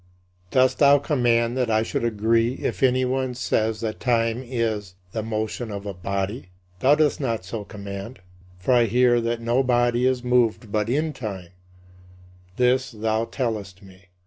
Dost thou command that I should agree if anyone says that time is "the motion of a body"? Thou dost not so command. For I hear that no body is moved but in time; this thou tellest me.